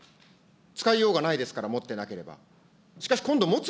使いようがないですから、持ってなければ。